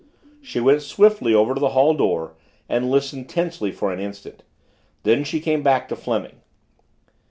She went swiftly over to the hall door and listened tensely for an instant. Then she came back to Fleming.